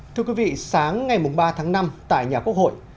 thưa quý vị sáng ngày ba tháng năm tại nhà quốc hội